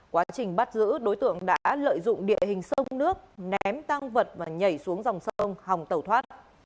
quá trình bắt giữ đối tượng đã lợi dụng địa hình sông nước ném tăng vật và nhảy xuống dòng sông hòng tẩu thoát